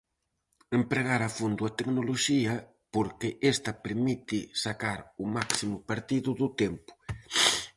Empregar a fondo a tecnoloxía, porque esta permite sacar o máximo partido do tempo.